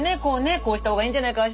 こうした方がいいんじゃないかあ